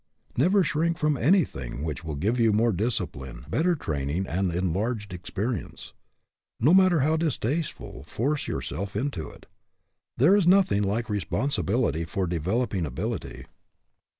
Never shrink from anything which will give you more discipline, better training, and enlarged experience. No matter how distaste ful force yourself into it. There is noth ing like responsibility for developing ability.